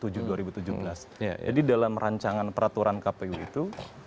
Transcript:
jadi dalam rancangan peraturan kpu itu